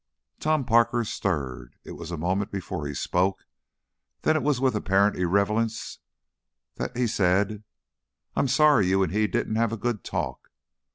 Tom Parker stirred; it was a moment before he spoke, then it was with apparent irrelevance that he said: "I'm sorry you and he didn't have a good talk.